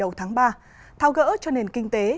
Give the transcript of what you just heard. của thủ tướng hồi đầu tháng ba tháo gỡ cho nền kinh tế